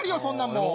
そんなん。